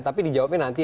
tapi dijawabin nanti